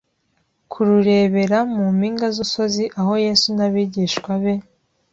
Kururebera mu mpinga z'umusozi aho Yesu n'abigishwa be